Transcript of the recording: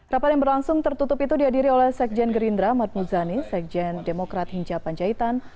rapat yang berlangsung tertutup itu dihadiri oleh sekjen gerindra mat muzani sekjen demokrat hinca panjaitan